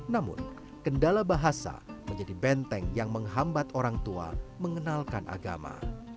namun kendala bahasa menjadi benteng yang menghambat orang tua mengenalkan agama